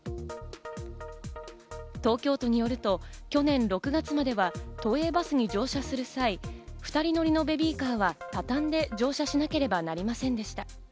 東京都によると去年６月までは都営バスに乗車する際、２人乗りのベビーカーは畳んで乗車しなければなりませんでした。